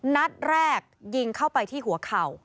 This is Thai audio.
นัดแรกยิงเข้าไปที่หัวเข่า